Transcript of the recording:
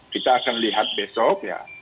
kita akan lihat besok ya